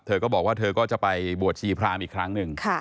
เธอก็บอกว่าเธอก็จะไปบวชชีพรามอีกครั้งหนึ่ง